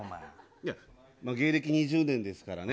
いや、芸歴２０年ですからね。